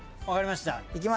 分かりました。